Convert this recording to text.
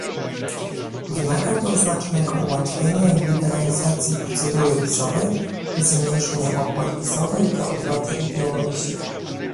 Wymaga to znacznego ułatwienia i liberalizacji procedury wizowej, zmniejszenia opłat wizowych dla obywateli Białorusi